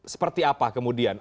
seperti apa kemudian